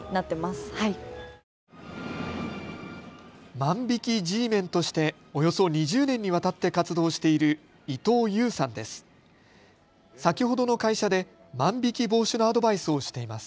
万引きＧメンとしておよそ２０年にわたって活動している伊東ゆうさんです。